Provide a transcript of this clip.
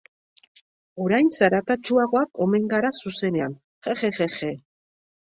Orain zaratatsuagoak omen gara zuzenean, jejeje.